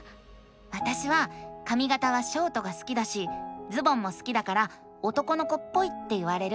わたしはかみがたはショートが好きだしズボンも好きだから男の子っぽいって言われる。